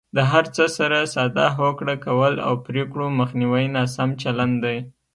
د هر څه سره ساده هوکړه کول او پرېکړو مخنیوی ناسم چلند دی.